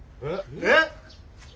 えっ！